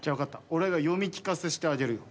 俺が読み聞かせしてあげるよ。